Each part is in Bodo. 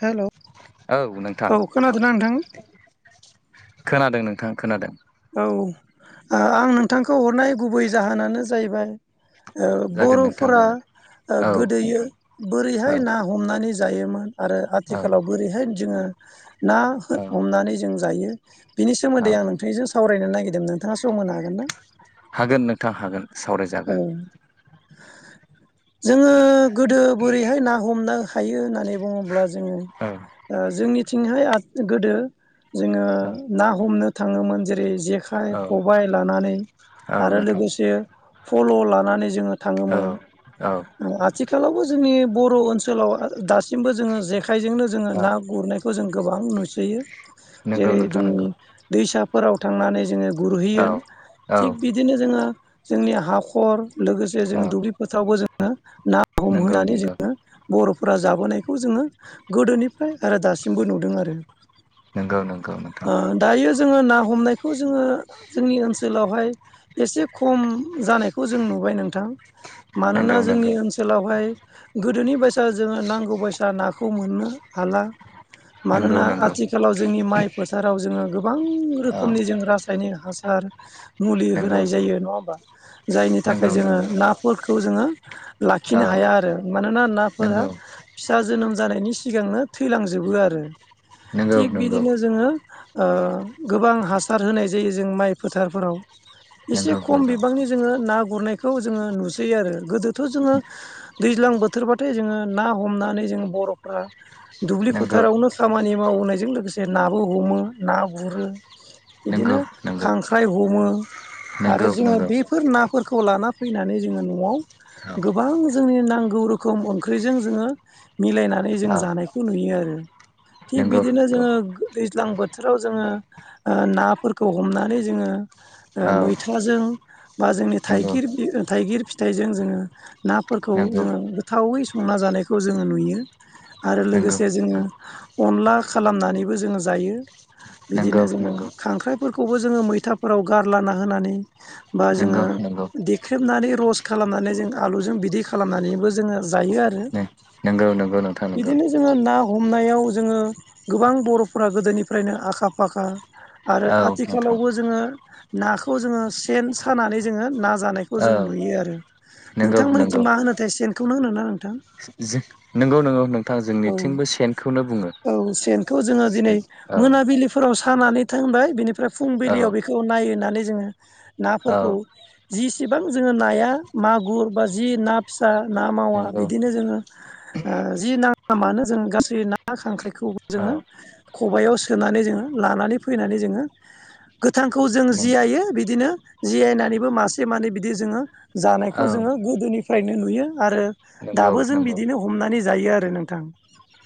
हेल' औ नोंथां । औ खोनादोंना नोंथां? ओं नोंथां खोनादों। औ आ-आं नोंथांखौ हरनाय गुबै जाहोनानो जाहैबाय ओ जागोन नोंथां गुरूफोरा जागोन ओ औ गोदोयो नोंथां औ बोरैहाय ना हमनानै जायोमोन। आरो औ आथिखालाव बोरैहाय जोङो ना हमनानै जों जायो, बिनि औ सोमोन्दै आं नोंथांजों सावरायनो नागिरदों नोंथाङा सम होनो हागोन ना? हागोन नोंथां हागोन औ सावरायजागोन। जोङो गोदो बोरैहाय ना हमनो हायो होननानै बुङोब्ला जोङो औ ओ जोंनिथिंहाय आद गोदो जोङो औ ना हमनो थाङोमोन जेरै जेखाइ, औ खबाइ लानानै औ आरो नोंथां लोगोसे फल' लानानै जोङो औ थाङोमोन। औ ओ आथिखालावबो जोंनि बर' ओनसोलाव ओ दासिमबो जोङो जेखाइजोंनो जोङो औ ना गुरनायखौ जों गोबां नुसि। यो नंगौ जेरै नोंथां जोंनि नंगौ दैसाफोराव थांनानै जोङो गुरहैयो। औ थिग औ बिदिनो जोङो जोंनि हाखर लोगोसे औ जोङो दुब्लि फोथारावबो जोङो ना नंगौ हमहोनानै नंगौ जोङो बर'फोरा जाबोनायखौ जोङो गोदोनिफ्राय आरो दासिमबो नुदों आरो। नंगौ नंगौ नोंथां ओ दायो जोङो ना हमनायखौ जोङो जोंनि ओनसोलावहाय एसे खम जानायखौ जों नुबाय नोंथां। नंगौ मानोना जोंनि नंगौ ओनसोलावहाय गोदोनि बायसा जोङो नांगौ बायसा नाखौ मोननो हाला। नंगौ मानोना नंगौ आथिखालाव जोंनि माइ फोथाराव जोङो गोबां औ रोखोमनि जों रासायनिक हासा र मुलि नंगौ होनाय जायो नङा होमबा। जायनि नंगौ थाखाय जोङो नंगौ नाफोरखौ जोङो औ लाखिनो हाया आरो मानोना नाफोरा नंगौ फिसा जोनोम जानायनि सिगांनो थैलांजोबो आरो नंगौ थिग नंगौ बिदिनो जोङो ओ गोबां हासार होनाय जायो जों माइ फोथारफोराव। एसे नंगौ नंगौ खम नंगौ बिबांनि जोङो ना गुरनायखौ जोङो नुसै आरो गोदो थ' जोङो दैज्लां बोथोरबाथाय जोङो ना हमनानै जों बर'फ्रा दुब्लि फोथारावनो खामानि मावनायजों लोगोसे नाबो हमो ना गुरो। नंगौ बिदिनो खांख्राइ हमो आरो नंगौ नंगौ जोङो बेफोर नाफोरखौ लाना फैनानै जोङो न'आव औ गोबां जोंनि नांगौ रोखोम ओंख्रिजों जोङो मिलायनानै जों औ जानायखौ नुयो आरो। थिग नंगौ बिदिनो नंगौ जोङो गो दैज्लां बोथोराव जोङो ओ नाफोरखौ हमनानै जोङो औ मैथाजों बा जोंनि नंगौ थाइगिर बि थाइगिर फिथाइजों जोङो नाफोरखौ नंगौ जोङो गोथावै संना जानायखौ जोङो नुयो। आरो नंगौ लोगोसे जोङो अनला खालामनानैबो जोङो जायो। नंगौ बिदिनो जोङो नंगौ खांख्राइफोरखौबो जोङो मैथाफोराव गारलाना होनानै बा नंगौ जोङो नंगौ देख्रेबनानै रस खालामनानै जों आलुजों बिदै खालामनानैबो जोङो जायो आरो। औ नोंगौ नोंथां। नंगौ बिदिनो जोङो ना हमनायाव जोङो गोबां बर'फोरा गोदोनिफ्रायनो आखा फाखा। आरो औ नोंथां आथिखालावबो जोङो नाखौ जोङो सेन सानानै जोङो ना जानायखौ औ जों नुयो आरो नंगौ नोंथांमोननिथिं नंगौ मा होनोथाय सेनखौनो होनोना? नोंथां नंगौ नंगौ नोंथां औ जोंनिथिंबो सेनखौनो बुङो औ सेनखौ जोङो दिनै सेन औ मोनाबिलिफोराव सानानै दोनबाय बेनिफ्राय औ फुंबिलियाव बेखौ नायनानै जोङो औ नाफोरखौ जिसिबां जोङो नाया मागुर बा ना फिसा ना मावा नंगौ बिदिनो जों जि नाङा मानो जों गासै ना खांख्राइखौबो औ जोङो खबायाव सोनानै जोङो लानानै फैनानै जोङो गोथांखौ जों नों जियायो बिदिनो जियायनानैबो मासे मानै बिदि जोङो जानायखौ औ जोङो‌ गोदोनिफ्रायनो नुयो आरो नंगौ दाबो जों बिदिनो हमनानै जायो आरो नोंथां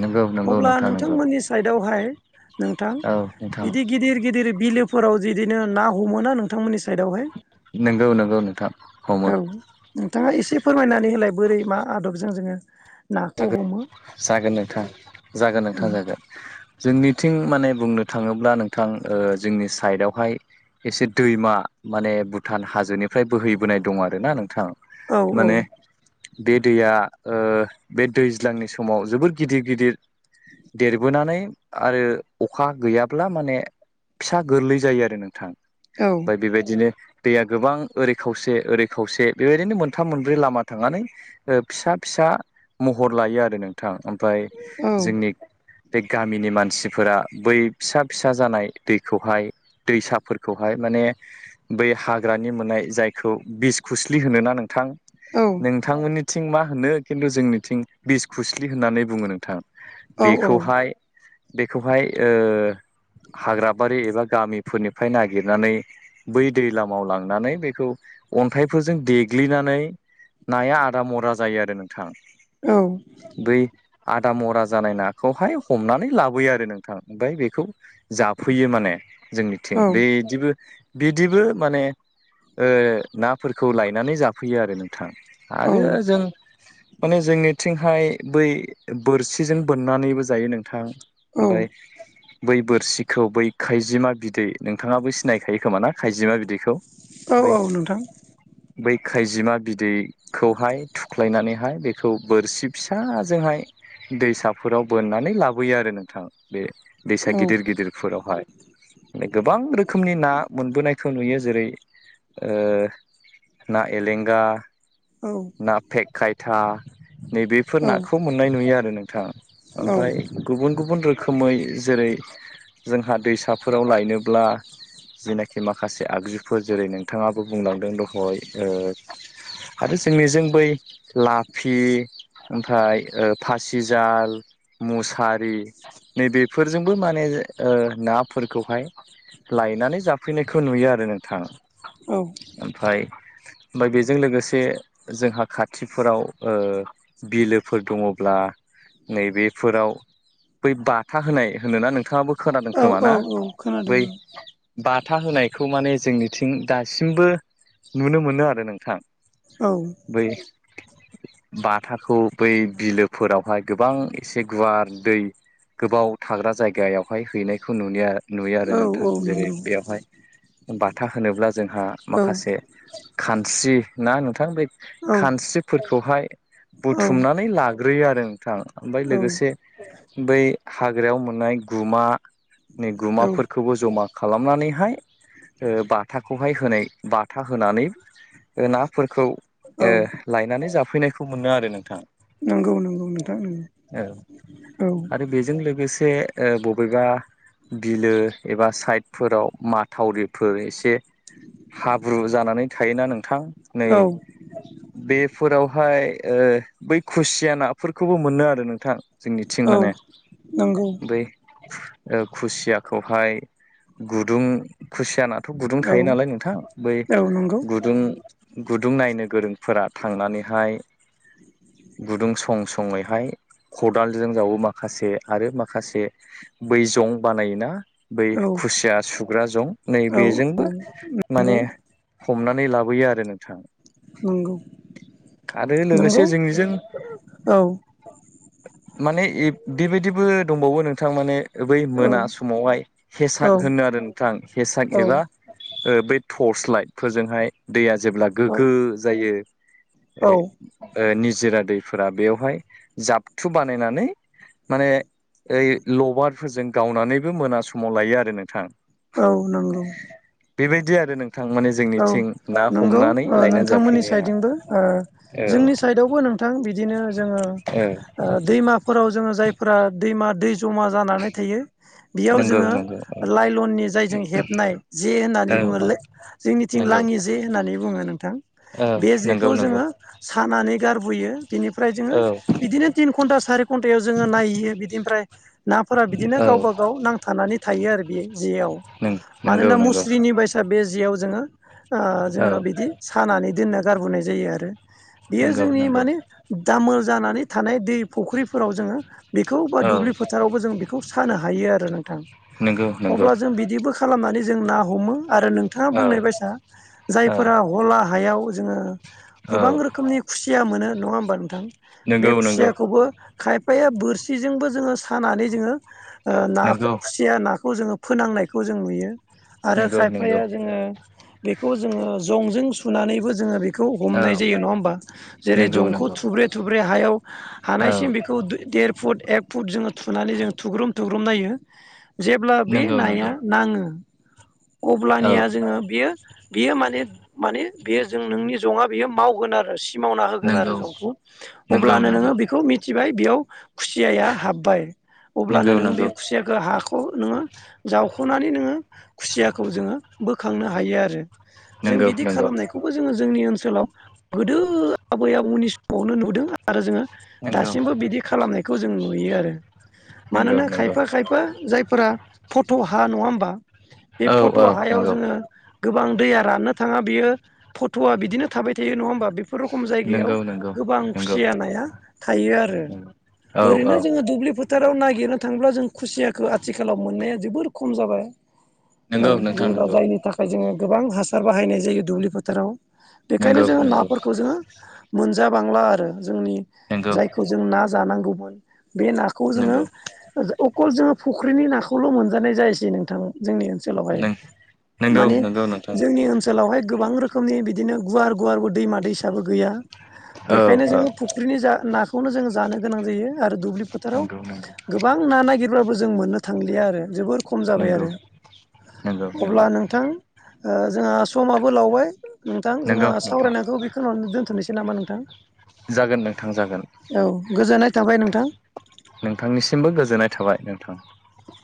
नोंगौ अब्ला नोंथांमोननि साइदआवहाय नोंथां औ नोंथां बिदि गिदिर गिदिर बिलो फोराव जिदिनो ना हमोना नोंथांमोननि साइडआवहाय नोंगौ नोंगौ नोंथां हमो औ नोंथाङा एसे फोरमायनानै होलाय बोरै मा आदबजों जोङो नाखौ जागोन हमो जागोन नोंथां जागोन औ नोंथां जागोन जोंनिथिं माने बुंनो थाङोब्ला नोंथां ओ जोंनि साइडआवहाय एसे दैमा माने भुटान हाजोनिफ्राय बोहैबोनाय दं आरो ना नोंथां औ औ माने बे दैया ओ बे दैज्लांनि समाव जोबोर गिदिर गिदिर देरबोनानै आरो अखा गैयाब्ला माने फिसा गोरलै जायो आरो नोंथां ओमफ्राय बेबायदिनो दैया गोबां ओरै खावसे ओरै खावसे बेबायदिनो मोनथाम मोनब्रै लामा थांनानै फिसा फिसा महर लायो आरो नोंथां ओमफ्राय औ जोंनि बे गामिनि मानसि फोरा बै फिसा फिसा जानाय दैखौहाय दैसाफोरखौहाय माने बै हाग्रानि मोननाय जायखौ बिसखुस्लि होनो ना नोंथां औ नोंथांमोननिथिं मा होनो खिन्थु जोंनिथिं बिस खुस्लि होननानै बुङो नोंथां बेखौहाय बेखौहाय ओ हाग्राबारि एबा गामि फोरनिफ्राय नागिरनानै बै दैलामाव लांनानै बेखौ अन्थाइफोरजों देग्लिना नै नाया आदा मरा जायो आरो नोंथां औ बै आदा मरा जानाय नाखौहाय हमनानै लाबोयो आरो नोंथां ओमफ्राय बेखौ जाफैयो माने जोंनिथिं बेदिबो बिदिबो माने ओ नाफोरखौ लायनानै जाफैयो आरो नों थां औ आरो जों माने जोंनिथिं हाय बै बोरसिजों बोननानैबो जायो नोंथां औ ओमफ्राय बै बोरसिखौ बै खैजिमा बिदै नोंथाङाबो सिनायखायो खोमा ना खाइजिमा बिदैखौ औ बै औ नोंथां बै खायजिमा बिदैखौहाय थुख्लायनानैहाय बेखौ बोरसिब फिसाजोंहाय दैसाफोराव बोननानै लाबोयो आरो नोंथां बे दैसा औ गिदिर गिदिरफोरावहाय गोबां रोखोमनि ना मोनबोनायखौ नुयो जेरै ओ ना एलेंगा औ ना फेक खायथा नैबेफोर औ नाखौ मोननाय नुयो आरो नों थां ओमफ्राय गुबुन गुबुन रोखोमै जेरै जोंहा दैसाफोराव लायनोब्ला जेनाखि माखासे आगजुफोर जेरै नोंथाङा बुंलांदों दहाय ओ आरो जोंनिजों बै लाफि ओमफ्राय ओ फासिजाल मुसारि नैबेफोरजोंबो माने ओ नाफोरखौहाय लायनानै जाफैनायखौ नुयो आरो नोंथां। औ ओमफ्राय ओमफ्राय बेजों लोगोसे जोंहा खाथिफोराव ओ बिलोफोर दङ'ब्ला नैबेफोराव बै बाथा होनाय होनोना नोंथाङाबो खोनादों खोमा औ ना? औ खोनादों बै बाथा होनायखौ माने जोंनिथिं दासिमबो नुनो मोनो आरो नोंथां। औ बै बाथ थाखौ बै बिलोफोरावहाय गोबां एसे गुवार दै गोबाव थाग्रा जायगायावहाय हैनायखौ नुनि नुयो आरो औ नोंथां। औ जेरै नंगौ बेयावहाय बाथा होनोब्ला जोंहा औ माखासे खानस्रि ना नोंथां बे औ खानस्रिफोरखौहाय बुथुमनानै लाग्रोयो आरो नोंथां। ओमफ्राय औ लोगोसे बै हाग्रायाव मोननाय गुमा नि औ गुमाफोरखौबो जमा खालामनानैहाय ओ बाथाखौहाय होनाय बाथा होनानै ओ नाफोरखौ ओ औ लायनानै जाफैनायखौ मोनो आरो नोंथां। नंगौ नंगौ नोंथां नंगौ औ आरो बेजों लोगोसे ओ बबेबा बिलो एबा साइडफोराव माथावरिफोर एसे हाब्रु जानानै थायोना नोंथां नै औ बेफोरावहाय ओ बै खुसिया नाफोरखौबो मोनो आरो नोंथां। जोंनिथिं औ माने नंगौ बै ओ खुसियाखौहाय गुदुं खुसिया ना थ' गुदुं औ थायो नालाय नोंथां बै औ नंगौ गुदुं गुदुं नायनो गोरों फोरा थांनानैहाय [inaudible] गुदुं सं-सङैहाय खदालजों जावो माखासे आरो माखासे बै जं बानायोना बै औ खुसिया सुग्रा जं नै औ बेजोंबो नंगौ माने हमनानै लाबोयो आरो नों नंगौ। आरो लोगोसे नंगौ जोंनिजों औ माने ए बेबायदिबो दंबावो नोंथां माने बै मोना औ समावहाय औ हेसाक होनो आरो नोंथां हेसाख औ एबा ओ बे टर्स लाइट फोरजोंहाय दैया जेब्ला औ गोग्गो जायो ए औ ओ नि जिरा दैफोरा बेवहाय जाबथु बानायनानै माने ओइ लबारफोरजों गावनानैबो मोना समाव लायो आरो नोंथां। औ नंगौ बेबायदि आरो नोंथां माने औ जोंनिथिं ना नंगौ हमनानै ओ लायनानै नोंथांमोननि जाफैनाया । साइडजोंबो ओ जोंनि साइदआवबो नोंथां बिदिनो जोङो औ ओ दैमाफोराव जोङो जायफोरा दैमा दै जमा जानानै थायो बेयाव नंगौ जोङो नंगौ लाइलननि जायजों हेबनाय जे औ होननानै बुङो औ जोंनिथिं नंगौ लाङि जे होननानै बुङो नोंथां। औ बे नंगौ जेखौ नंगौ जोङो साना नै गारबोयो बिनिफ्राय जोङो औ बिदिनो तिन घन्टा, सारि घन्टायाव जोङो नायहैयो बिदिनिफ्राय नाफोरा बिदिनो औ गावबा गाव नांथानानै थायो आरो बे जेयाव नंगौ मानोना नंगौ मुस्रिनि बायसा बे जेयाव जोङो ओ औ जोङो बिदि सानानै दोनना गारबोनाय जायो आरो। बियो नंगौ जोंनि नंगौ माने दामोल जानानै थानाय दै फुख्रिफोराव जोङो बेखौ बा औ दुब्लि फोथारावबो जों बेखौ सानो हायो आरो नोंथां। नंगौ नंगौ अब्ला जों बिदिबो खालामनानै जों ना हमो आरो नोंथाङा औ बुंनाय बायसा औ जायफोरा हला हायाव जोङो औ गोबां रोखोमनि खुसिया मोनो नङा होमबा नोंथां? बे नंगौ नंगौ खुसियाखौबो खायफाया बोरसिजोंबो जोङो सानानै जोङो ना नंगौ खुसिया नाखो खौ जोङो फोनांनायखौ जों नुयो। आरो नंगौ - खायफाया नंगौ। जोङो बेखौ जोङो जंजों सुनानैबो जोङो बेखौ खौ औ हमनाय जायो नङा होमबा जेरै नंगौ जंखौ नंगौ थुब्रे थुब्रे हायाव औ हानायसिम बेखौ देर फुट एक फुट जोङो थुनानै जोङो थुग्रोम - थुग्रोम नायो। जेब्ला बे नंगौ नाया नंगौ नाङो औ अब्लानिया जोङो बियो- बियो माने - माने बियो जों नोंनि जङा बियो मावगोन आरो। मावना होगोन नंगौ आरो जंखौ नंगौ नंगौ अब्लानो नोङो बेखौ मिथिबाय बेयाव खुसियाया हाबबाय अब्लानो नंगौ नोङो बे नंगौ खुसियाखौ हाखौ नोङो जावख'नानै नोङो खुसियाखौ जोङो बोखांनो हायो आरो जों नंगौ बिदि नंगौ खालामनायखौबो जोङो जोंनि ओनसोल ओनसोलाव गोदो आबै आबौनि समावनो नुदों आरो जोङो नंगौ दासिमबो बिदि खालामनायखौ जों नुयो आरो। नंगौ मानोना नंगौ खायफा - खायफा जायफोरा फट' हा नङा होमबा। बे औ फट' औ हायाव नंगौ जोङो गोबां दैया राननो थाङा बियो फट'आ बिदिनो थाबाय थायो नङा होमबा बेफोर रखम जायगायाव नंगौ नंगौ गोबां नंगौ खुसिया नाया थायो आरो। नंगौ औ औ ओरैनो जोङो दुब्लि फो फोथाराव नागिरनो थाङोब्ला जों खुसियाखौ आथिखालाव मोननाया जोबोर खम जाबाय औ नंगौ नोंथां जेनेबा नंगौ। जायनि थाखाय जोङो गोबां हासार बाहायनाय जायो दुब्लि फोथाराव बेखायनो नंगौ जोङो नंगौ नाफोरखौ जोङो मोनजा बांला आरो। जोंनि नंगौ जायखौ जों ना जानांगौमोन बे नाखौ जोङो नंगौ अखल जोङो फुख्रिनि नाखौल' मोनजानाय जायसै नोंथांमोन। जोंनि ओनसोलावहाय नंगौ माने नंगौ नोंथां जोंनि ओनसोलावहाय गोबां रोखोमनि बिदिनो गुवार गुवारबो दैमा दैसाबो गैया औ बेखायनो औ जोङो फुख्रिनि ना नाखौनो जोंङो जानो गोनां जायो आरो दुब्लि फोथाराव नंगौ नंगौ गोबां ना नागिरबाबो जो जों मोननो थांलिया आरो जोबोर खम जाबाय नंगौ आरो -नंगौ। अब्ला नंगौ नोंथां जोंहा समाबो लावबाय नोंथां जोंहा नंगौ नोंथां सावरायनायखौ बेखौनानो दोन्थ'नोसै नामा नोंथां। जागोन नोंथां जागोन औ गोजोननाय थाबाय नोंथां नोंथांनिसिमबो गोजोननाय था थां।